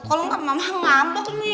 kalau enggak mama ngambek nih